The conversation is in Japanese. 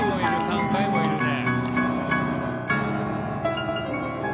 ３階もいるね。